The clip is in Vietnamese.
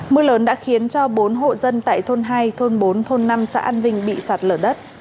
mưa lớn đã khiến cho bốn hộ dân tại thôn hai thôn bốn thôn năm xã an vinh bị sạt lở đất